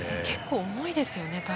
結構重いですよね？